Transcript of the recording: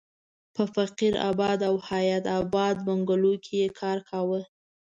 په فقیر اباد او حیات اباد بنګلو کې یې دا کار کاوه.